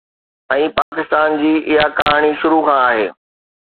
۽ پاڪستان جي اها ڪهاڻي شروع کان آهي.